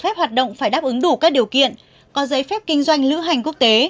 phép hoạt động phải đáp ứng đủ các điều kiện có giấy phép kinh doanh lữ hành quốc tế